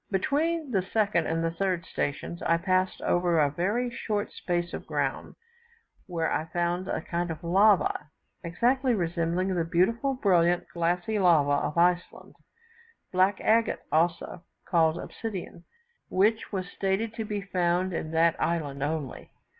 Between the second and third stations, I passed over a very short space of ground, where I found a kind of lava, exactly resembling the beautiful, brilliant, glassy lava of Iceland (black agate, also called obsidian), which was stated to be found in that island only.